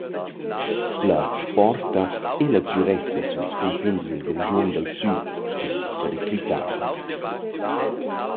La sporta e la sgürezza süls cunfins i’l Grischun dal süd es periclitada.